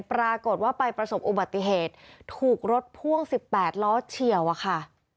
ปรากฏว่าไปประสบอุบัติเหตุถูกรถพ่วง๑๘ล้อเฉียวอะค่ะ